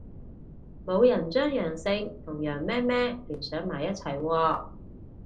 冇人將陽性同羊咩咩聯想埋一齊喎